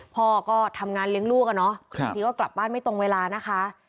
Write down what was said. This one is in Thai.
พ่อก็ทำงานเลี้ยงลูกอะเนาะบางทีก็กลับบ้านไม่ตรงเวลานะคะ